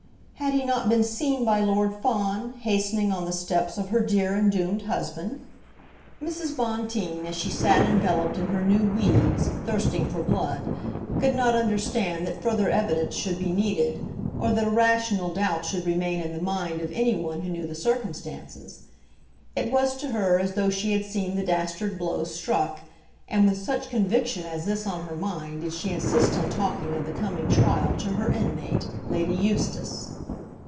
Had he not been seen by Lord Fawn hastening on the steps of her dear and doomed husband? Mrs. Bonteen, as she sat enveloped in her new weeds, thirsting for blood, could not understand that further evidence should be needed, or that a rational doubt should remain in the mind of any one who knew the circumstances. It was to her as though she had seen the dastard blow struck, and with such conviction as this on her mind did she insist on talking of the coming trial to her inmate, Lady Eustace.